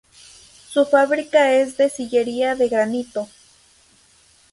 Su fábrica es de sillería de granito.